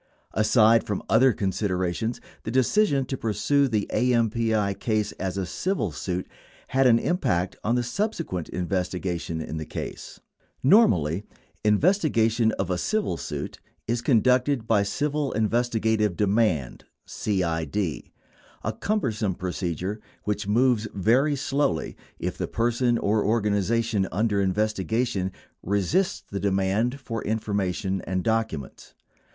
Aside from other considerations, the decision to pursue the AMPI case as a civil suit had an impact on the subsequent investigation in the case. Normally, investigation of a civil suit is conducted by Civil Investigative Demand (CID) — a cumbersome procedure which moves very slowly if the person or organization under investigation resists the demand for information and documents.